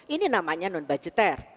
ini namanya non budgeter